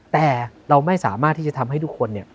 แต่เราไม่สามารถที่จะทำให้ทุกคนเนี่ย